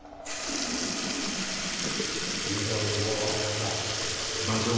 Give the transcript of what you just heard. いろいろあった。